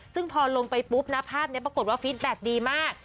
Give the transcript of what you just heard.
ซึ่งพอลงไปปุ๊บนะภาพนี้ปรากฏว่าฟิตแบ็คดีมาก